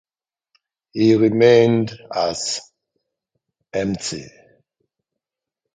He remained as Mt.